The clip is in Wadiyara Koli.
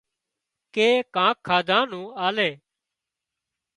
ڪي ڪانڪ کاڌا نُون آلي